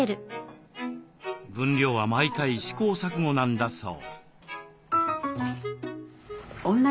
分量は毎回試行錯誤なんだそう。